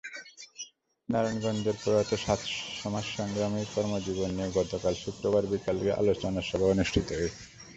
নারায়ণগঞ্জের প্রয়াত সাত সমাজসংগ্রামীর কর্মজীবন নিয়ে গতকাল শুক্রবার বিকেলে আলোচনা সভা অনুষ্ঠিত হয়েছে।